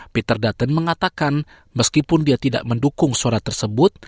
peter dutton mengatakan meskipun dia tidak mendukung surat tersebut